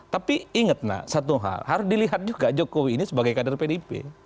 tapi ingetlah satu hal harus dilihat juga jokowi ini sebagai kader pdp